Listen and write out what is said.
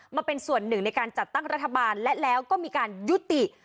มาเป็นส่วนหนึ่งในการจัดตั้งรัฐบาลและแล้วก็มีการยุติ